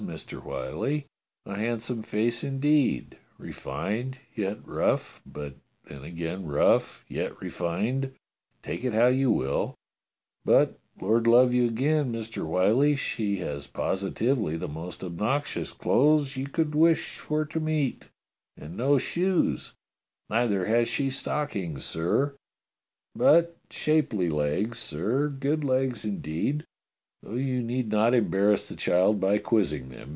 Mister Whyllie, a handsome face indeed, refined yet rough, but then again rough yet refined, take it how you will, but Lord love you again, Mister Whyllie, she has positively the most obnoxious clothes you could wish for to meet, and no shoes, neither has she stockings, sir, but shapely legs, 250 DOCTOR SYN sir, good legs indeed, though you need not embarrass the child by quizzing them.